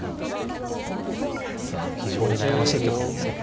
いやでも非常に悩ましい局面ですね